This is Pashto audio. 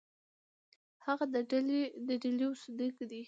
هغه د ډهلي اوسېدونکی دی.